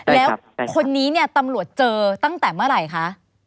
แล้วคนนี้เนี่ยตำรวจเจอตั้งแต่เมื่อไหร่คะ